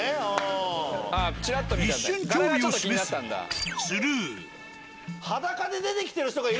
一瞬興味を示すもスルー。